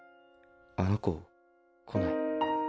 あの子来ない。